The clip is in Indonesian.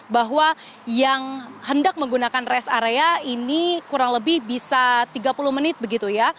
bahwa yang hendak menggunakan rest area ini kurang lebih bisa tiga puluh menit begitu ya